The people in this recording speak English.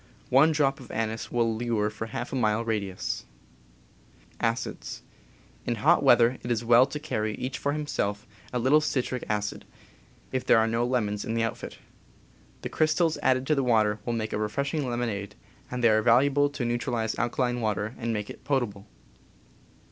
One drop of anise will lure for half a mile radius. In hot weather it is well to carry, each for himself, a little citric acid, if there are no lemons in the outfit. .., The crystals added to water make a refreshing lemonade, and they are val uable to neutralize alkaline water and make it potable.